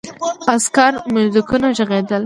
عسکري موزیکونه ږغېدل.